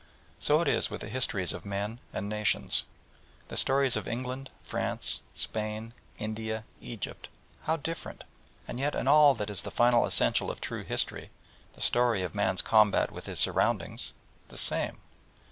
So it is with the histories of men and nations. The stories of England, France, Spain, India, Egypt, how different! and yet in all that is the final essential of true history the story of man's combat with his surroundings the same.